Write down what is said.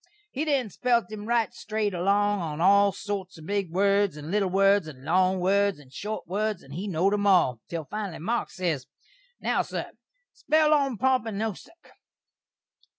He then spelt him right strate along on all sorts of big words, and little words, and long words, and short words, and he knowd 'em all, til finally Marks ses, "Now, sur, spell 'Ompompynusuk.'"